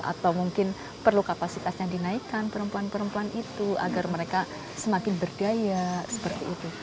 atau mungkin perlu kapasitasnya dinaikkan perempuan perempuan itu agar mereka semakin berdaya seperti itu